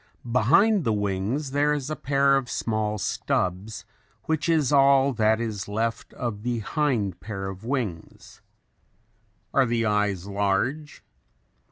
Behind the wings there is a pair of small stubs which is all that is left of the hind pair of wings. Are the eyes large?